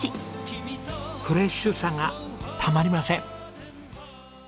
フレッシュさがたまりません！